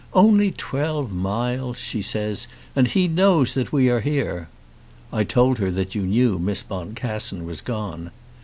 "Only twelve miles," she says, "and he knows that we are here!" I told her that you knew Miss Boncassen was gone.